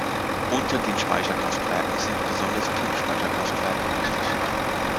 Unter den Speicherkraftwerken sind besonders Pumpspeicherkraftwerke wichtig.